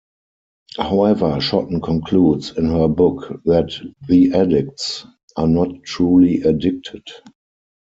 However, Shotton concludes in her book that the 'addicts' are not truly addicted.